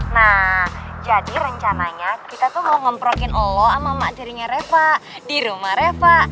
nah jadi rencananya kita tuh mau ngoprokin elo sama emak tirinya reva di rumah reva